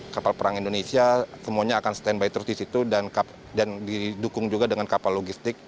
kapal perang indonesia semuanya akan standby terus di situ dan didukung juga dengan kapal logistik